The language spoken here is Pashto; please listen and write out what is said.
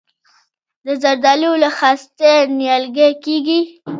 د زردالو له خستې نیالګی کیږي؟